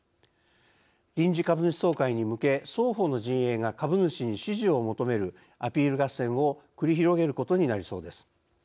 臨時株主総会に向け双方の陣営が株主に支持を求めるアピール合戦を繰り広げることになりそうです。